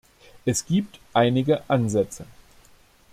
Es gibt einige Ansätze.